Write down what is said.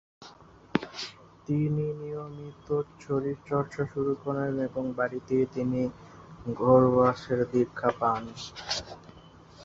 তিনি নিয়মিত শরীরচর্চা শুরু করেন এবং বাড়িতেই তিনি ঘোড়সওয়ারের দীক্ষা পান।